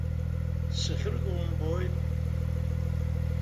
Сахьырго умбои.